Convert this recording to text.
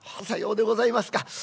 「さようでございますか。